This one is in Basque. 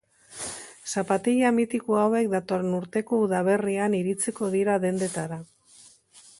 Zapatila mitiko hauek datorren urteko udaberrian iritsiko dira dendetara.